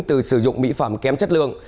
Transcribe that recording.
từ sử dụng mỹ phẩm kém chất lượng